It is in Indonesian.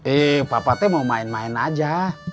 eh papa tuh mau main main aja